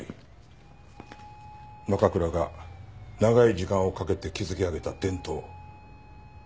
奈可倉が長い時間をかけて築き上げた伝統。